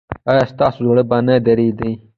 ایا ستاسو زړه به نه دریدي؟